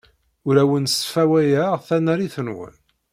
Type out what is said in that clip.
Ur awen-sfawayeɣ tanarit-nwen.